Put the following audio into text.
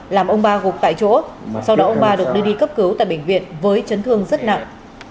làm ông ba gục tại chỗ sau đó ông ba được đưa đi cấp cứu tại bệnh viện với chấn thương rất nặng